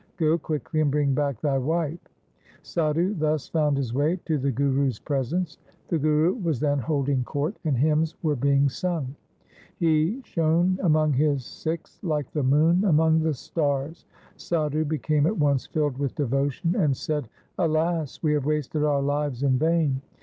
Go quickly and bring back thy wife.' Sadhu thus found his way to the Guru's presence. The Guru was then holding court, and hymns were being sung. He shone among his Sikhs like the moon among the stars. Sadhu became at once filled with devotion and said, ' Alas ! we have wasted our lives in vain.